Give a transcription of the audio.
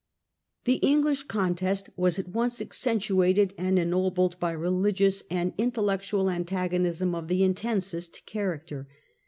The English contest was at once accentuated and ennobled by religious and intellectual antagonism of the intensest character.